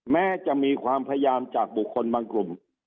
แม้จะมีความพยายามจากบุคคลบางกลุ่ม